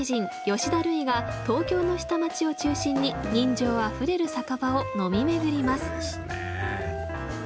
吉田類が東京の下町を中心に人情あふれる酒場を飲み巡ります。